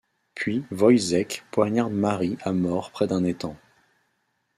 Puis Woyzeck poignarde Marie à mort près d'un étang.